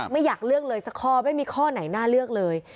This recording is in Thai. ไม่อยากเลือกเลยสักข้อไม่มีข้อไหนน่าเลือกเลย